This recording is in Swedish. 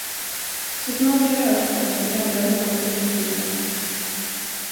Så snart jag rörde på mig, ramlade folket omkring mig.